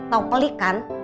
tau pelik kan